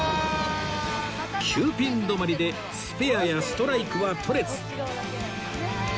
９ピン止まりでスペアやストライクは取れず